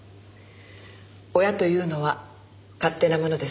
親というのは勝手なものです。